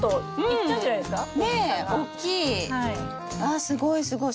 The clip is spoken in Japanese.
あすごいすごい。